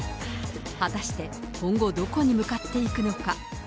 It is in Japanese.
果たして、今後どこに向かっていくのか。